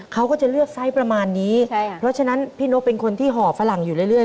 เขาก็จะเลือกไซส์ประมาณนี้ใช่ค่ะเพราะฉะนั้นพี่นกเป็นคนที่ห่อฝรั่งอยู่เรื่อย